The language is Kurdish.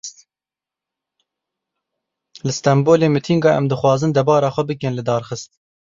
Li Stenbolê mitînga em dixwazin debara xwe bikin, li dar xist.